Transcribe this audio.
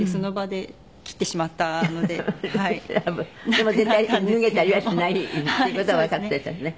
でも絶対脱げたりはしないっていう事はわかっていらっしゃいますね。